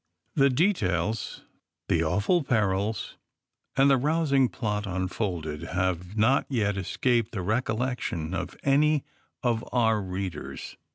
The details, the aw ful xoerils and the rousing plot unfolded have not yet escaped the recollection of any of our readers.